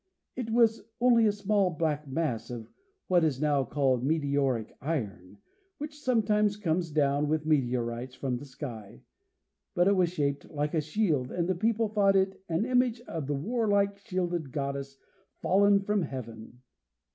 It was only a small black mass of what is now called meteoric iron, which sometimes comes down with meteorites from the sky, but it was shaped like a shield, and the people thought it an image of the warlike shielded Goddess, fallen from Heaven.